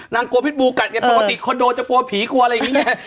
นางกลัวพิษบูกัดเนี่ยปกติคนโดจะกลัวผีกลัวอะไรอย่างนี้เนี่ย